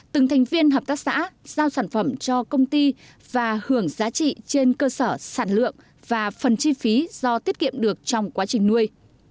từng thành viên hợp tác xã giao sản phẩm cho công ty và hưởng giá trị trên cơ sở sản lượng và phần chi phí do tiết kiệm được trong quá trình nuôi